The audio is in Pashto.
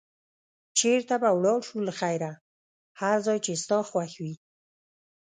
چېرته به ولاړ شو له خیره؟ هر ځای چې ستا خوښ وي.